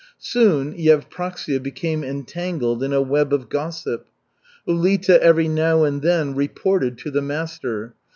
Soon Yevpraksia became entangled in a web of gossip. Ulita every now and then "reported" to the master.